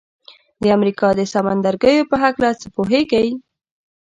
د امریکا د سمندرګیو په هکله څه پوهیږئ؟